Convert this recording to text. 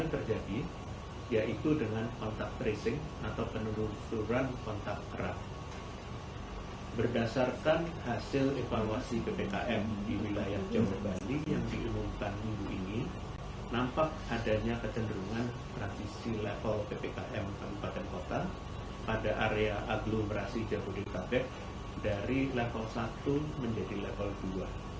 pertanyaan pertama dari christine chandraningsih kiodo news